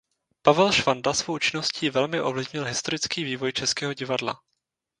Pavel Švanda svou činností velmi ovlivnil historický vývoj českého divadla.